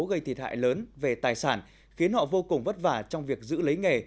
gây thiệt hại lớn về tài sản khiến họ vô cùng vất vả trong việc giữ lấy nghề